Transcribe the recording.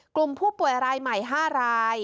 กลุ่มผู้ป่วยรายใหม่๕ราย